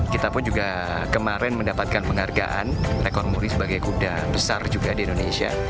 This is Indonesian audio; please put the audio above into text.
kita pun juga kemarin mendapatkan penghargaan rekor muri sebagai kuda besar juga di indonesia